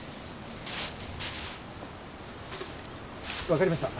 分かりました。